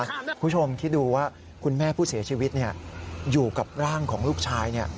คุณผู้ชมคิดดูว่าคุณแม่ผู้เสียชีวิตอยู่กับร่างของลูกชาย